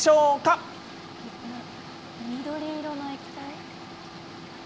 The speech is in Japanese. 緑色の液体？